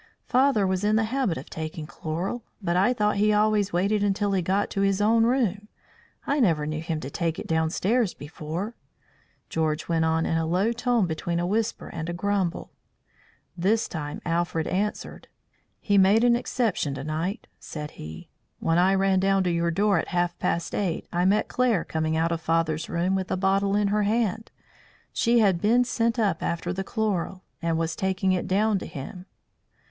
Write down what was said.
"Father was in the habit of taking chloral, but I thought he always waited until he got to his own room. I never knew him to take it downstairs before," George went on in a low tone between a whisper and a grumble. This time Alfred answered. "He made an exception to night," said he. "When I ran down to your door at half past eight, I met Claire coming out of father's room with a bottle in her hand. She had been sent up after the chloral, and was taking it down to him."